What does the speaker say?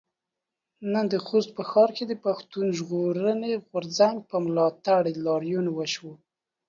نن د خوست ښار کې د پښتون ژغورنې غورځنګ په ملاتړ لاريون وشو.